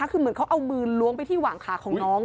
คือเหมือนเขาเอามือล้วงไปที่หวังขาของน้อง